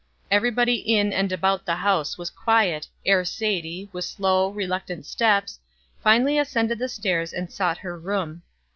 Every body in and about the house was quiet, ere Sadie, with slow, reluctant steps, finally ascended the stairs and sought her room.